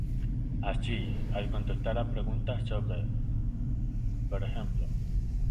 Así, al contestar a preguntas sobre, p. ej.